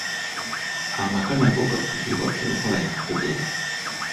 Amaka nago gafugibwa ku nkola ya Federo